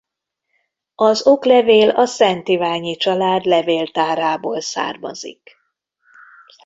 Az oklevél a Szentiványi család levéltárából származik.